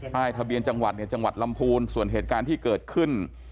ทะเบียนจังหวัดเนี่ยจังหวัดลำพูนส่วนเหตุการณ์ที่เกิดขึ้น